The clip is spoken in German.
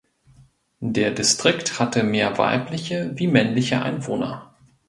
Der Distrikt hatte mehr weibliche wie männliche Einwohner.